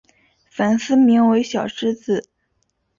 粉丝名为小狮子。